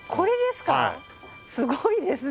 すごいですね！